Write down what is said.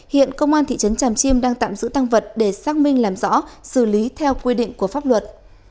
hiện công an thị trấn tràm chiêm đang tạm giữ tăng vật để xác minh làm rõ xử lý theo quy định của pháp luật